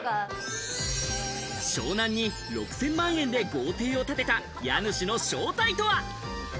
湘南に６０００万円で豪邸を経てた家主の正体とは。